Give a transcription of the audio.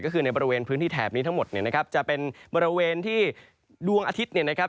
ก็คือในบริเวณพื้นที่แถบนี้ทั้งหมดเนี่ยนะครับจะเป็นบริเวณที่ดวงอาทิตย์เนี่ยนะครับ